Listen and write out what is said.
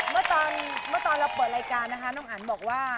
เมื่อตอนเราเปิดรายการนะคะน้องอันบอกว่า